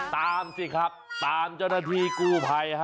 ตามสิครับตามเจ้าระทีกู้ภัย